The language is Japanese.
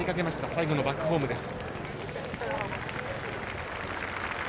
最後のバックホームです。